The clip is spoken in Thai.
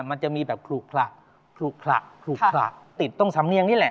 มันจะมีแบบพลุกปล่ะพลุกปล่ะพลุกปล่ะติดตรงสองเงียงนี่แหละ